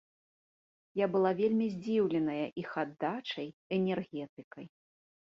Я была вельмі здзіўленая іх аддачай, энергетыкай.